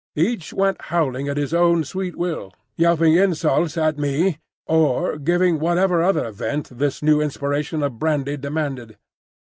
Each went howling at his own sweet will, yelping insults at me, or giving whatever other vent this new inspiration of brandy demanded.